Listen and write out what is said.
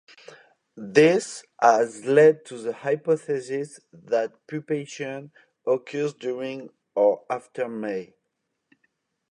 This has led to the hypothesis that pupation occurs during or after May.